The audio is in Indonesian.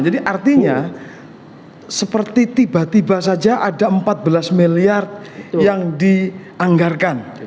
jadi artinya seperti tiba tiba saja ada empat belas miliar yang dianggarkan